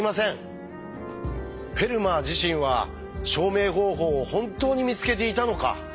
フェルマー自身は証明方法を本当に見つけていたのか？